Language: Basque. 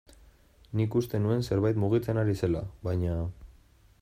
Nik uste nuen zerbait mugitzen ari zela, baina...